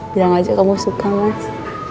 bilang aja kamu suka mas